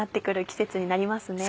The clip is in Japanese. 季節になりますね。